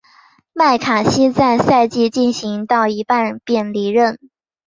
麦卡锡在赛季进行到一半便离任。